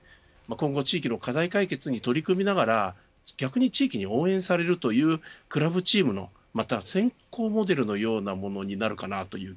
今後、地域の課題解決に取り組みながら逆に、地域に応援されるというクラブチーム、または先行モデルのようなものになるかなという